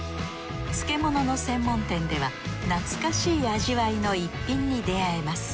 漬物の専門店では懐かしい味わいの逸品に出会えます。